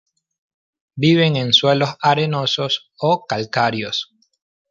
Viven en suelos arenosos o calcáreos.